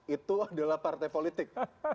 itu adalah partai politik